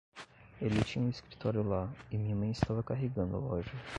Ele tinha o escritório lá e minha mãe estava carregando a loja.